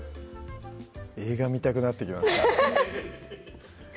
映画見たくなってきました